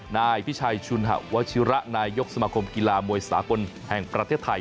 นายพิชัยชุนหะวชิระนายยกสมาคมกีฬามวยสากลแห่งประเทศไทย